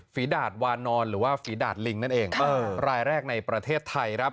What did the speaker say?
ดาดวานอนหรือว่าฝีดาดลิงนั่นเองรายแรกในประเทศไทยครับ